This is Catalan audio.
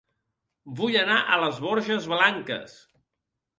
Vull anar a Les Borges Blanques